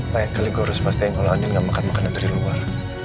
lain kali gue harus pastikan kalau ani gak makan makanan dari luar